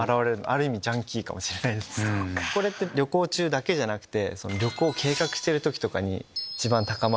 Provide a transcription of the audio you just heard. これって旅行中だけじゃなくて。